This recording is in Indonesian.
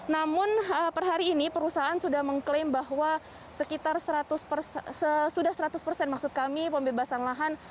namun per hari ini perusahaan sudah mengklaim bahwa sekitar seratus persen maksud kami pembebasan lahan